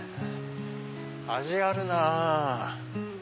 味あるなぁ。